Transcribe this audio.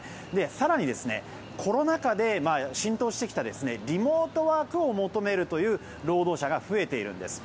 更に、コロナ禍で浸透してきたリモートワークを求めるという労働者が増えているんです。